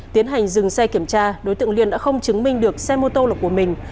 tiến hành dừng xe kiểm tra đối tượng liên đã không chứng minh được xe mô tô lộc của mình